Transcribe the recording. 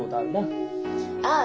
ああ